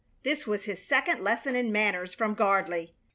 This was his second lesson in manners from Gardley.